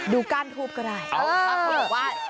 ดูก้านทูบกระไร